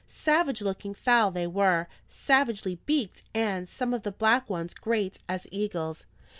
Savage looking fowl they were, savagely beaked, and some of the black ones great as eagles.